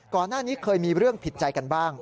ก่อนหน้านี้เคยมีเรื่องผิดใจกันบ้าง